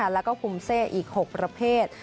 และก็ภูมิเซภีร์อีก๖ประเภท